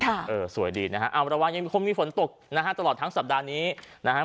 เออสวยดีนะฮะเอาระวังยังคงมีฝนตกนะฮะตลอดทั้งสัปดาห์นี้นะฮะ